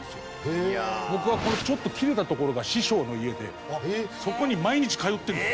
僕はこのちょっと切れたところが師匠の家でそこに毎日通ってたんです。